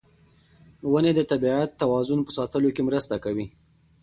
ونې د طبیعي توازن په ساتلو کې مرسته کوي.